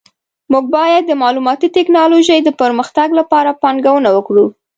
موږ باید د معلوماتي ټکنالوژۍ د پرمختګ لپاره پانګونه وکړو